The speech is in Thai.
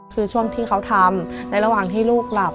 คือช่วงที่เขาทำในระหว่างที่ลูกหลับ